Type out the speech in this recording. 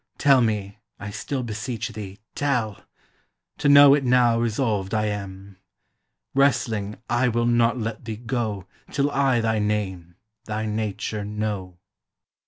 Tell me, I still beseech thee, tell; To know it now resolved I am; Wrestling, I will not let thee go Till I thy name, thy nature know.